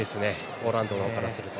ポーランドからすると。